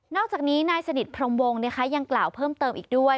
อกจากนี้นายสนิทพรมวงยังกล่าวเพิ่มเติมอีกด้วย